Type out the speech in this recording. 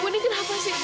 ibu ini kenapa sih